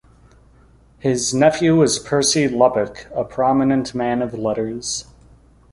His nephew was Percy Lubbock, a prominent man of letters.